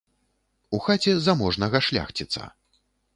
У хаце заможнага шляхціца.